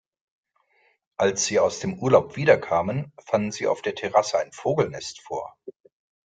Als sie aus dem Urlaub wiederkamen, fanden sie auf der Terrasse ein Vogelnest vor.